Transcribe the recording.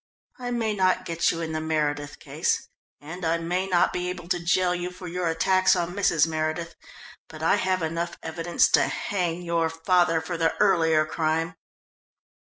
I may not get you in the Meredith case, and I may not be able to jail you for your attacks on Mrs. Meredith, but I have enough evidence to hang your father for the earlier crime."